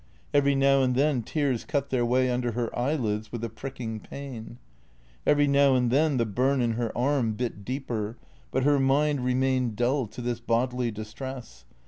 Every now and then tears cut their way under her eyelids with a pricking pain. Every now and then the burn in her arm bit deeper; but her mind remained dull to this bodily distress.